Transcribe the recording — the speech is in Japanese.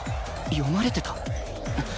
読まれてた？あっ！